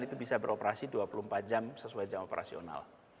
itu bisa beroperasi dua puluh empat jam sesuai jam operasional